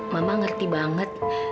mama ngerti banget